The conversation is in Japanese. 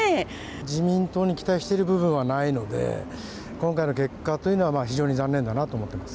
自民党に期待している部分はないので今回の結果というのは非常に残念だなと思っています。